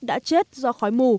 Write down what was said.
đã chết do khói mù